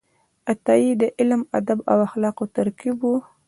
عطايي د علم، ادب او اخلاقو ترکیب و.